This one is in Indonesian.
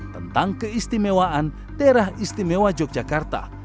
tentang keistimewaan daerah istimewa yogyakarta